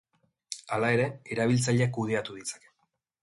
Hala ere, erabiltzaileak kudeatu ditzake.